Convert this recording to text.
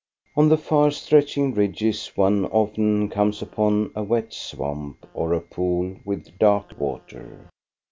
On the far stretching ridges one often comes upon a wet swamp or a pool with dark water.